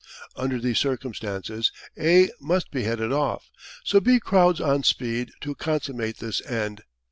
Under these circumstances A must be headed off, so B crowds on speed to consummate this end.